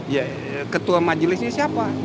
ya ketua majelisnya siapa